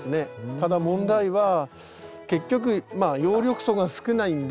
ただ問題は結局葉緑素が少ないんで。